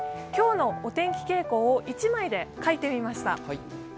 今日のお天気傾向を１枚で描いてみました。